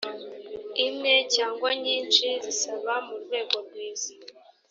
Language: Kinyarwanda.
imwe cyangwa nyinshi zisaba mu rwego rwizaa